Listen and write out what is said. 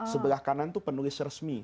sebelah kanan itu penulis resmi